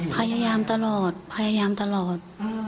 พยายามตลอดพยายามตลอด